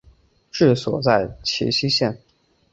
治所在齐熙县。